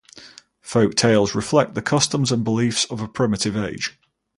Folk-tales reflect the customs and beliefs of a primitive age.